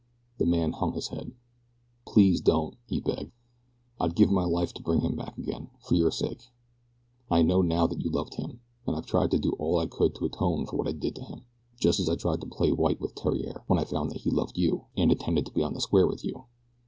The man hung his head. "Please don't," he begged. "I'd give my life to bring him back again, for your sake. I know now that you loved him, and I've tried to do all I could to atone for what I did to him; just as I tried to play white with Theriere when I found that he loved you, and intended to be on the square with you.